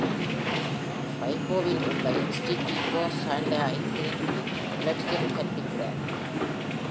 வைகோவில் உள்ள "Instituto Santa Irene" இல் இலக்கியம் கற்பிக்கிறார்.